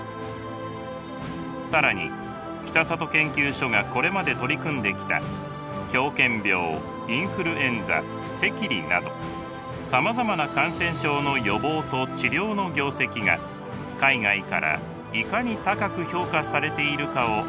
更に北里研究所がこれまで取り組んできたなどさまざまな感染症の予防と治療の業績が海外からいかに高く評価されているかを知るのです。